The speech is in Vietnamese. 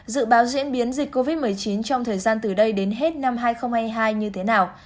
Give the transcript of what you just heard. dự báo diễn biến dịch covid một mươi chín trong thời gian từ đây đến hết năm hai nghìn hai mươi hai như thế nào